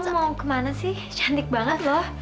saya mau kemana sih cantik banget loh